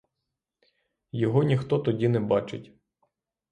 Його ніхто тоді не бачить.